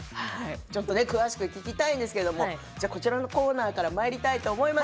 詳しく聞きたいんですけれどもこちらのコーナーからまいりたいと思います。